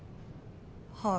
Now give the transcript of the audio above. はい。